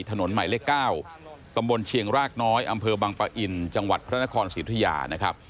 ถนนใหม่เลข๙ตำบลเชียงรากน้อยอำเภอบังปะอินจังหวัดพระนครศรีธุยานะครับ